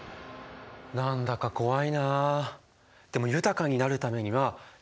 何だか怖いなあ。